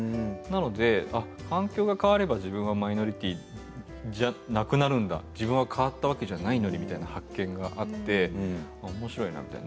環境が変われば自分もマイノリティーじゃなくなるんだ自分が変わったわけじゃないのにという発見があっておもしろいなみたいな。